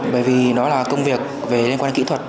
bởi vì nó là công việc về liên quan đến kỹ thuật